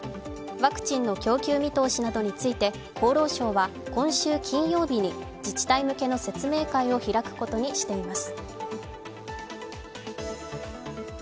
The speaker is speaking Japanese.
ワクチンの供給見通しなどについて厚労省は今週金曜日に自治体向けの説明会を開くことにしています。